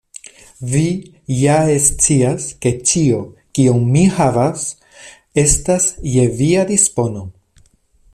Vi ja scias, ke ĉio, kion mi havas, estas je via dispono.